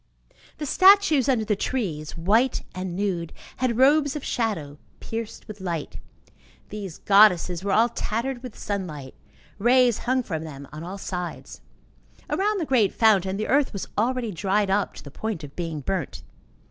The statues under the trees, white and nude, had robes of shadow pierced with light; these goddesses were all tattered with sunlight; rays hung from them on all sides. Around the great fountain, the earth was already dried up to the point of being burnt.